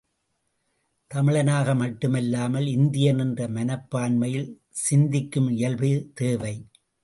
தமிழனாக மட்டுமல்லாமல் இந்தியன் என்ற மனப்பான்மையில் சிந்திக்கும் இயல்பு தேவை.